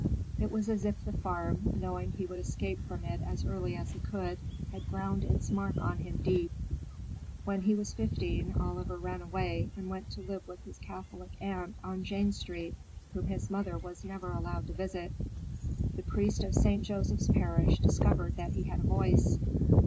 It was as if the farm, knowing he would escape from it as early as he could, had ground its mark on him deep. When he was fifteen Oliver ran away and went to live with his Catholic aunt, on Jane Street, whom his mother was never allowed to visit. The priest of St. Joseph's Parish discovered that he had a voice.